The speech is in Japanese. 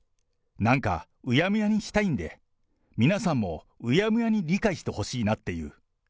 なんか、うやむやにしたいんで、皆さんもうやむやに理解してほしいなっていう。